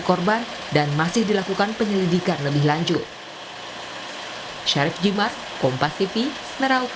sementara motifnya kita masih dalam tapi untuk sementara motifnya ini